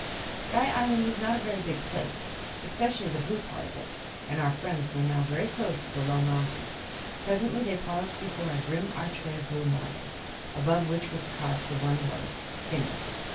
Sky Island was not a very big place, especially the blue part of it, and our friends were now very close to the low mountain. Presently they paused before a grim archway of blue marble, above which was carved the one word: "Phinis."